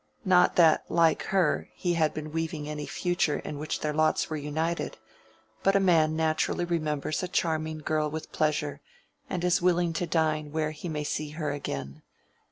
Not that, like her, he had been weaving any future in which their lots were united; but a man naturally remembers a charming girl with pleasure, and is willing to dine where he may see her again.